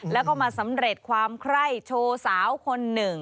แล้วก็มาสำเร็จความไคร้โชว์สาวคนหนึ่ง